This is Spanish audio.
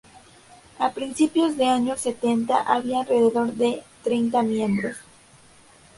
A principios de años setenta, había alrededor de treinta miembros.